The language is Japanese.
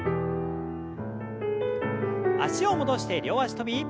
脚を戻して両脚跳び。